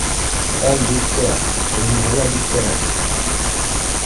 Әлбиттә, уныһы ла бик кәрәк